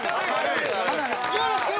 よろしく！